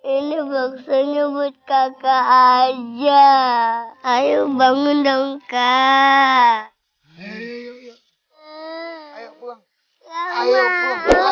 ini boxnya but kakak aja ayo bangun dong kak